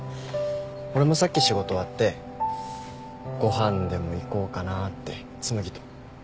俺もさっき仕事終わってご飯でも行こうかなって紬と。